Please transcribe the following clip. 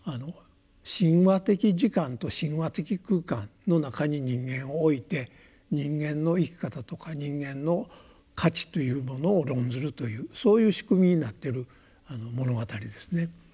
神話的時間と神話的空間の中に人間を置いて人間の生き方とか人間の価値というものを論ずるというそういう仕組みになっている物語ですね。